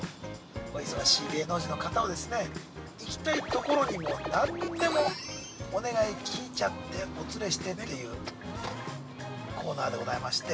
お忙しい芸能人の方をですね、行きたいところに何でもお願い聞いちゃって、お連れしてっていうコーナーでございまして。